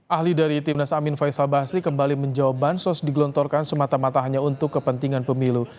ahli dari timnas amin faisal basri kembali menjawab bansos digelontorkan semata mata hanya untuk kepentingan pemilu